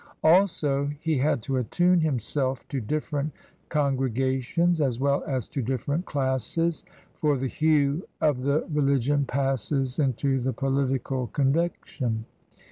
Also he had to attune him self to different congregations as well as to differ^ classes — for the hue of the religion passes into the political conviction.